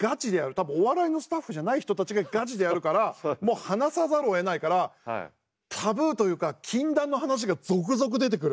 多分お笑いのスタッフじゃない人たちがガチでやるからもう話さざるをえないからタブーというか禁断の話が続々出てくる。